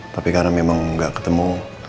tapi karena memang nggak ketemu